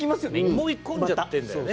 思い込んじゃってるんだよね。